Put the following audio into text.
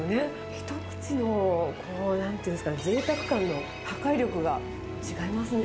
一口のこうなんて言うんですかね、ぜいたく感の破壊力が違いますね。